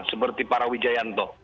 seperti para wijayanto